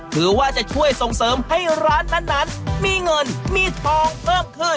ถือว่าจะช่วยส่งเสริมให้ร้านนั้นมีเงินมีทองเพิ่มขึ้น